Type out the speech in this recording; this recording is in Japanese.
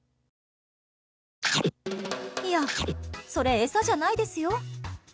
いや、それ餌じゃないですよ。